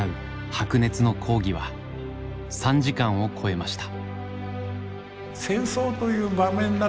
白熱の講義は３時間を超えました。